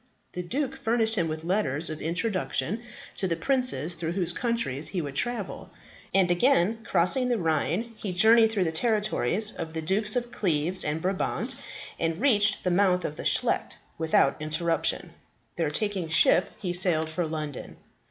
The duke furnished him with letters of introduction to the princes through whose countries he would travel; and again crossing the Rhine, he journeyed through the territories of the Dukes of Cleves and Brabant, and reached the mouth of the Scheldt without interruption. There taking ship, he sailed for London.